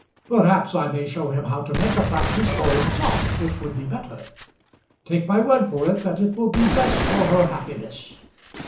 "Perhaps I may show him how to make a practice for himself, which would be better. Take my word for it that it will be best for her happiness.